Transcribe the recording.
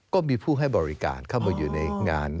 ก็มีผู้ให้บริการเข้ามาอยู่ในงาน